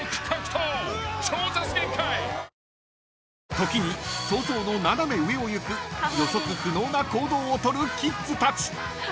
［時に想像の斜め上をいく予測不能な行動を取るキッズたち］